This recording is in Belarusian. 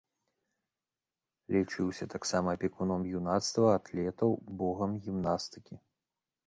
Лічыўся таксама апекуном юнацтва, атлетаў, богам гімнастыкі.